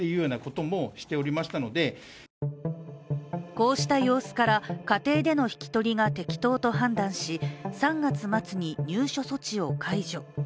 こうした様子から家庭での引き取りが適当と判断し３月末に入所措置を解除。